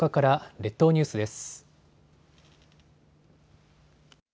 列島ニュースです。